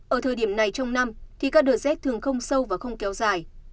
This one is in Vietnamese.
ở thời điểm này trong năm thì các đợt rét thường không sâu và không kéo dài